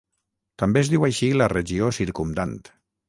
També es diu així la regió circumdant.